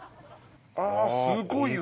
ああすごいわ。